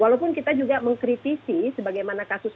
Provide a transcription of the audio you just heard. walaupun kita juga mengkritisi sebagaimana kasus kasus positif